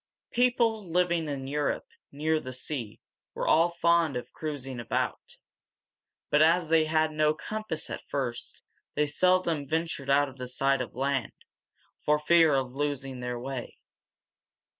People living in Europe, near the sea, were all fond of cruising about; but as they had no compass at first, they seldom ventured out of sight of land, for fear of losing their way.